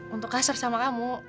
untuk kasar sama kamu